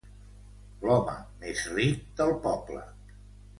L'home més ric del poble!